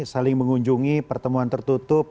saling mengunjungi pertemuan tertutup